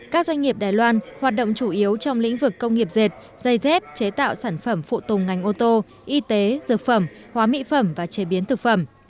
các doanh nghiệp đài loan hoạt động chủ yếu trong lĩnh vực công nghiệp dệt dây dép chế tạo sản phẩm phụ tùng ngành ô tô y tế dược phẩm hóa mỹ phẩm và chế biến thực phẩm